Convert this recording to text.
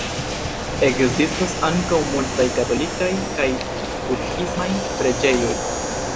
Ekzistas ankaŭ multaj katolikaj kaj budhismaj preĝejoj.